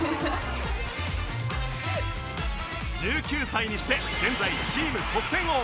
１９歳にして現在チーム得点王！